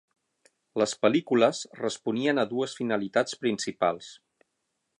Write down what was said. Les pel·lícules responien a dues finalitats principals.